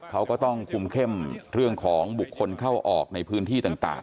เขาก็ต้องคุมเข้มเรื่องของบุคคลเข้าออกในพื้นที่ต่าง